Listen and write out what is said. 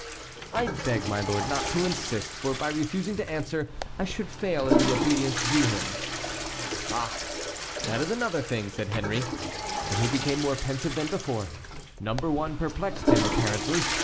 "I beg my lord not to insist, for by refusing to answer I should fail in the obedience due him." "Ah! that is another thing," said Henry. And he became more pensive than before. Number one perplexed him, apparently.